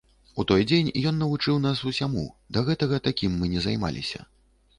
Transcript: У той дзень ён навучыў нас ўсяму, да гэтага такім мы не займаліся.